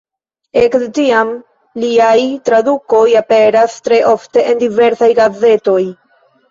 Ekde tiam liaj tradukoj aperas tre ofte en diversaj gazetoj.